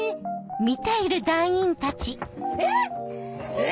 ・えっ！